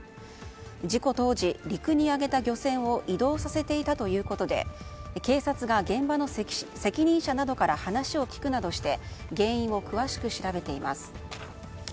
事故当時、陸に揚げた漁船を移動させたということで警察が現場の責任者などから話を聞くなどして原因を詳しく調べています。